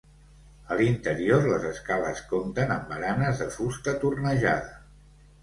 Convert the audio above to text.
A l'interior, les escales compten amb baranes de fusta tornejada.